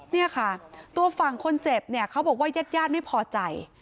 เนี่ยค่ะตัวฝั่งคนเจ็บเนี่ยเขาบอกว่าญาติญาติไม่พอใจ